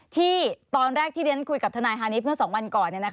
ที่ตอนแรกที่เด็นคุยกับทนายฮาร์เนฟเพื่อสองวันก่อนเนี่ยนะคะ